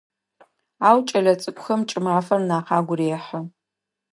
Ау кӏэлэцӏыкӏухэм кӏымафэр нахь агу рехьы.